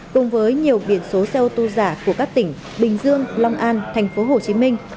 cùng với nhiều biển số xe ô tô giả của các tỉnh bình dương long an thành phố hồ chí minh